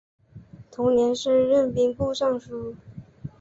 同年升任兵部尚书。